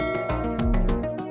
kayaknya lagi kinetic turns